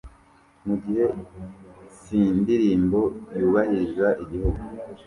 mugihe c'indirimbo yubahiriza igihugu